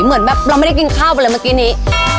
เหมือนแบบเราไม่ได้กินข้าวไปเลยเมื่อกี้นี้